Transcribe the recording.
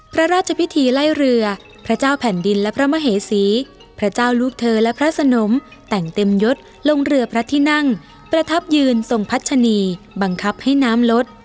พระราชพิธีไล่เรือพระเจ้าแผ่นดินและพระมเหสีพระเจ้าลูกเธอและพระสนมแต่งเต็มยศลงเรือพระที่นั่งประทับยืนทรงพัชนีบังคับให้น้ำลด